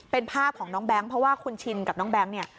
เป็นภาพของน้องแบงค์เพราะว่าคุณชินกับน้องแบงค์เนี่ย